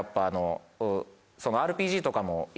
ＲＰＧとかも。